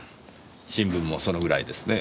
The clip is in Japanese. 新聞もそのぐらいですねぇ。